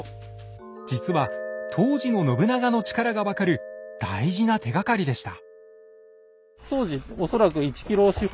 実は当時の信長の力が分かる大事な手がかりでした。